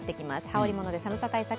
羽織り物で寒さ対策